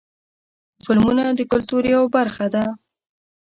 فلمونه د کلتور یوه برخه ده.